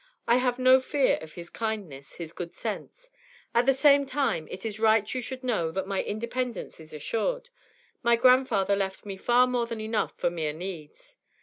I have no fear of his kindness, his good sense. At the same time, it is right you should know that my independence is assured; my grandfather left me far more than enough for mere needs.